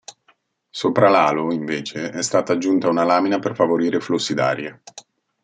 Sopra l'halo, invece, è stata aggiunta una lamina per favorire i flussi d'aria.